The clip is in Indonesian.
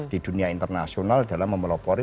di dunia internasional dalam memelopori